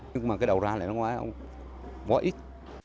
nhưng mà cái đầu ra lại nó ngoái không ngoái ít